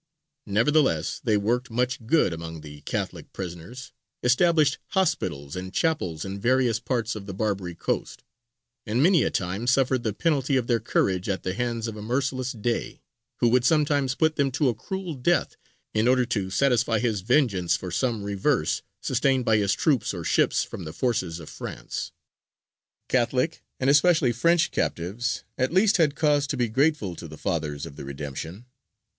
Nevertheless, they worked much good among the Catholic prisoners, established hospitals and chapels in various parts of the Barbary coast, and many a time suffered the penalty of their courage at the hands of a merciless Dey, who would sometimes put them to a cruel death in order to satisfy his vengeance for some reverse sustained by his troops or ships from the forces of France. Catholic, and especially French, captives at least had cause to be grateful to the Fathers of the Redemption.